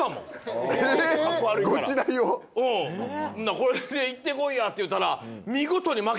これで行ってこいやって言うたら。